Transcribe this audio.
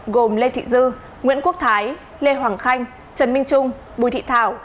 gồm lê thị dư nguyễn quốc thái lê hoàng khanh trần minh trung bùi thị thảo